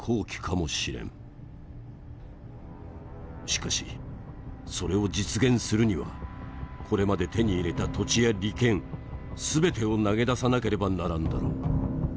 しかしそれを実現するにはこれまで手に入れた土地や利権全てを投げ出さなければならんだろう。